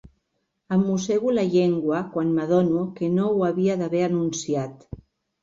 Em mossego la llengua quan m'adono que no ho havia d'haver anunciat.